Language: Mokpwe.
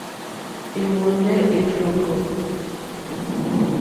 Ɛ́hwɔ̀ndɛ́ ɛ́ rzɔ́ŋɡɔ̂.